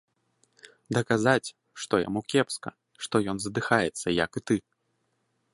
Даказаць, што яму кепска, што ён задыхаецца як і ты.